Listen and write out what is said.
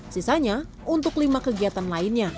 sisanya untuk lima kegiatan lainnya